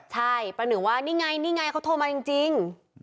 ใช่ประหนึ่งว่านี่ไงนี่ไงเขาโทรมาจริง